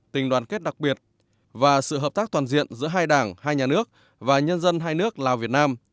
tình đoàn kết đặc biệt và sự hợp tác toàn diện giữa hai đảng hai nhà nước và nhân dân hai nước lào việt nam